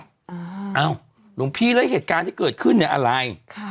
อ้าวหลวงพี่แล้วเหตุการณ์ที่เกิดขึ้นเนี่ยอะไร